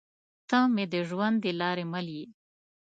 تۀ مې د ژوند د لارې مل يې